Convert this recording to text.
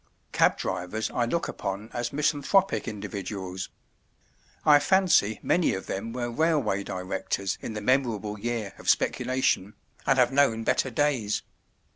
Cab drivers I look upon as misanthropic individuals. I fancy many of them were railway directors in the memorable year of speculation, and have known better days.